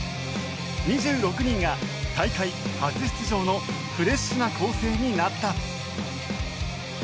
２６人が大会初出場のフレッシュな構成になった。